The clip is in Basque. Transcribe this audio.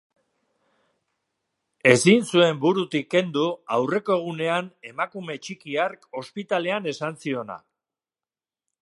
Ezin zuen burutik kendu aurreko egunean emakume txiki hark ospitalean esan ziona.